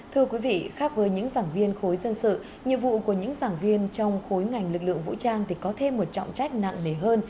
thưa quý vị khác với những giảng viên khối dân sự nhiệm vụ của những giảng viên trong khối ngành lực lượng vũ trang thì có thêm một trọng trách nặng